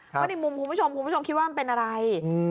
เพราะในมุมคุณผู้ชมคุณผู้ชมคิดว่ามันเป็นอะไร